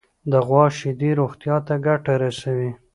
د غوا شیدې روغتیا ته ګټه رسوي.